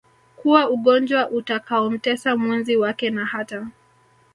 kuwa ugonjwa utakaomtesa mwenzi wake na hata